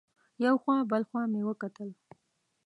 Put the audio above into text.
یو خوا بل خوا مې وکتل.